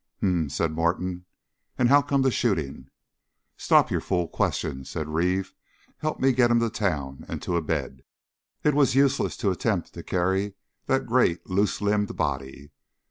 "H'm!" said Morton. "And how come the shooting?" "Stop your fool questions," said Reeve. "Help me get him to town and to a bed." It was useless to attempt to carry that great, loose limbed body.